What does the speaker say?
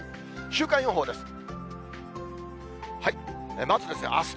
週間予報です。